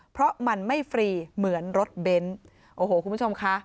เพราะมันไม่ฟรีเหมือนรถเบนท์โอ้โหคุณผู้ชมค่ะ